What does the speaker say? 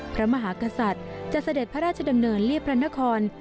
พระมหากษัตริย์จะเสด็จพระราชดำเนินเรียบพระนคร